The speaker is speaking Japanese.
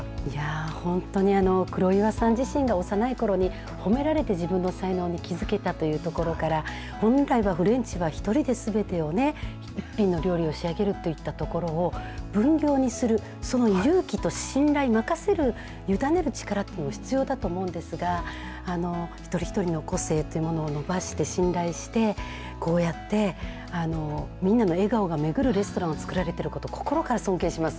本当に黒岩さん自身が幼いころに褒められて自分の才能に気付けたというところから、本来はフレンチは１人ですべてを、一品の料理を仕上げるといったところを、分業にする、その勇気と信頼、任せる、委ねる力というのも必要だと思うんですが、一人一人の個性というものを伸ばして信頼して、こうやってみんなの笑顔が巡るレストランを作られていること、心から尊敬します。